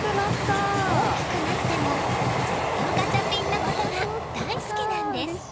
大きくなってもずっとガチャピンのことが大好きなんです。